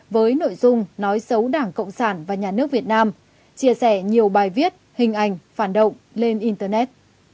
với nội dung nói xấu đảng cộng sản và nhà nước việt nam chia sẻ nhiều bài viết hình ảnh phản động lên internet